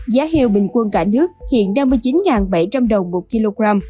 giá heo bình quân cả nước hiện năm mươi chín bảy trăm linh đồng mỗi kg